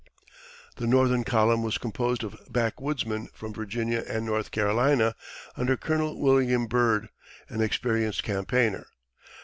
The northern column was composed of backwoodsmen from Virginia and North Carolina, under Colonel William Byrd, an experienced campaigner.